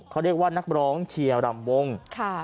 เขาเรียกว่านักร้องเชียร์รำวง